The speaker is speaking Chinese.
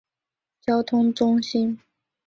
交通中心。